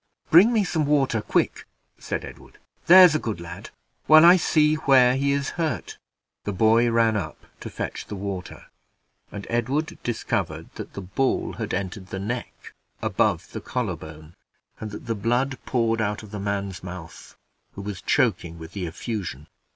"Bring me some water, quick," said Edward, "there's a good lad, while I see where he is hurt." The boy ran up to fetch the water, and Edward discovered that the ball had entered the neck above the collar bone, and that the blood poured out of the man's mouth, who was choking with the effusion.